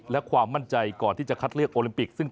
และความมั่นใจก่อนที่จะคัดเลือกโอลิมปิกซึ่ง